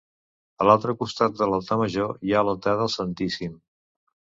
A l'altre costat de l'altar major hi ha l'altar del Santíssim.